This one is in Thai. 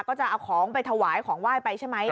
ก็จะเอาของไปถวายของไหว้ไปใช่ไหม